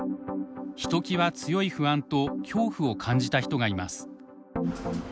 ひときわ強い不安と恐怖を感じた人がいます。